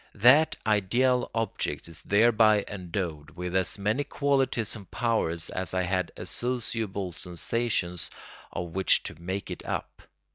That ideal object is thereby endowed with as many qualities and powers as I had associable sensations of which to make it up.